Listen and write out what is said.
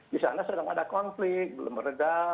di sana sedang ada konflik belum meredah